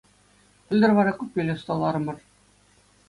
Пӗлтӗр вара купель ӑсталарӑмӑр.